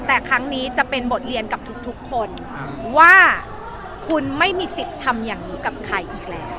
แต่ครั้งนี้จะเป็นบทเรียนกับทุกคนว่าคุณไม่มีสิทธิ์ทำอย่างนี้กับใครอีกแล้ว